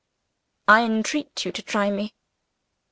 "I entreat you to try me!"